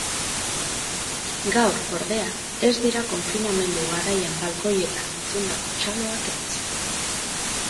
Gaur, ordea, ez dira konfinamendu garaian balkoietan entzundako txaloak entzun.